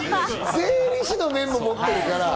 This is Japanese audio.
税理士の免許も持ってるから。